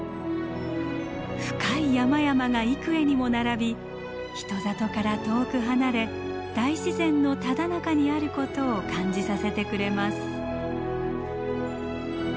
深い山々が幾重にも並び人里から遠く離れ大自然のただ中にあることを感じさせてくれます。